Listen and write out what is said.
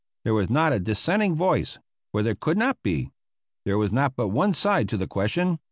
There was not a dissenting voice; for there could not be. There was but one side to the question.